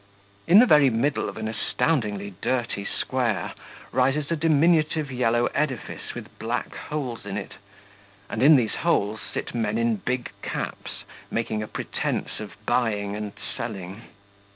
In the very middle of an astoundingly dirty square rises a diminutive yellowish edifice with black holes in it, and in these holes sit men in big caps making a pretence of buying and selling.